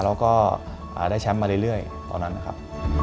แล้วก็ได้แชมป์มาเรื่อยตอนนั้นนะครับ